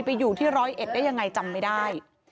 อยู่ที่ร้อยเอ็ดได้ยังไงจำไม่ได้